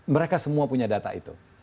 mereka semua punya data itu